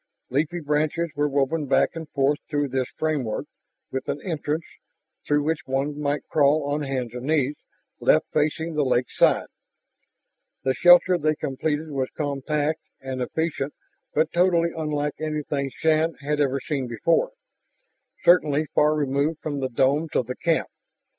Leafy branches were woven back and forth through this framework, with an entrance, through which one might crawl on hands and knees, left facing the lakeside. The shelter they completed was compact and efficient but totally unlike anything Shann had ever seen before, certainly far removed from the domes of the camp.